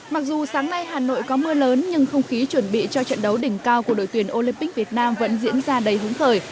mặc dù sáng nay hà nội có mưa lớn nhưng không khí chuẩn bị cho trận đấu đỉnh cao của đội tuyển olympic việt nam vẫn diễn ra đầy hứng khởi